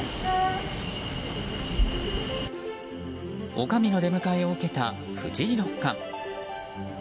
女将の出迎えを受けた藤井六冠。